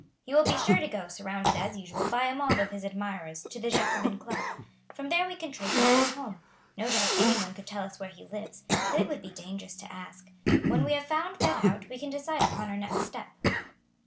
He will be sure to go, surrounded, as usual, by a mob of his admirers, to the Jacobin Club. From there we can trace him to his home. No doubt anyone could tell us where he lives, but it would be dangerous to ask. When we have found that out we can decide upon our next step."